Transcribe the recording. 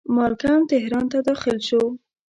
مالکم تهران ته داخل شو.